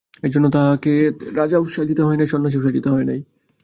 এইজন্য তাঁহাকে রাজাও সাজিতে হয় নাই, সন্ন্যাসীও সাজিতে হয় নাই।